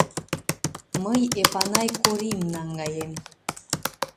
Мый Эпанай Корим наҥгаем.